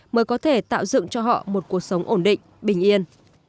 mới có thể tạo dựng cho họ một cuộc sống ổn định bình yên